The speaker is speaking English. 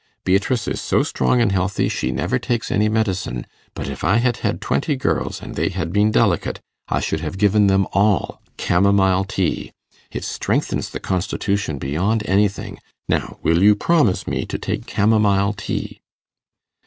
Beatrice is so strong and healthy, she never takes any medicine; but if I had had twenty girls, and they had been delicate, I should have given them all camomile tea. It strengthens the constitution beyond anything. Now, will you promise me to take camomile tea?